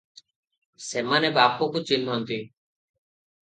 ସେମାନେ ବାପକୁ ଚିହ୍ନନ୍ତି ।